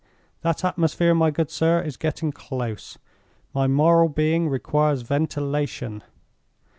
That atmosphere, my good sir, is getting close; my Moral Being requires ventilation.